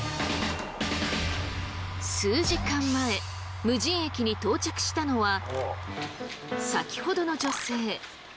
数時間前無人駅に到着したのは先ほどの女性。